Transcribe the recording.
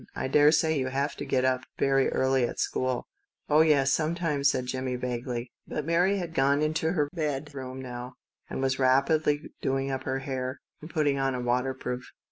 I daresay you have to get up very early at school." " Oh, yes, sometimes," said Jimmie vaguely. But Mary had crossed into her tiny bedroom now, and was rapidly doing up her hair, and putting on a waterproof.